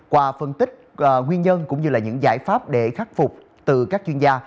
qua phân tích nguyên nhân cũng như những giải pháp để khắc phục từ các chuyên gia